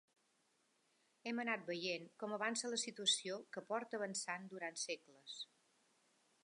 Hem anat veient com avança la situació, que porta avançant durant segles.